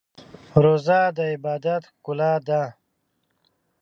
روژه د عبادت ښکلا ده.